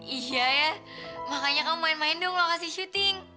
isya ya makanya kamu main main dong lokasi syuting